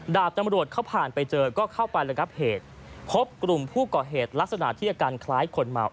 ดาบตำรวจเขาผ่านไปเจอก็เข้าไประงับเหตุพบกลุ่มผู้ก่อเหตุลักษณะที่อาการคล้ายคนเมา